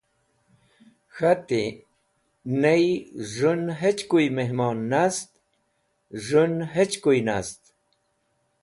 K̃hati: Ney, z̃hũn hechkuy mihmon nast, z̃hũn hechkuy nast.